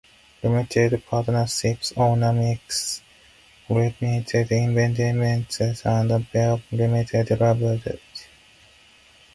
Limited partnerships owners make limited investments and bear limited liability.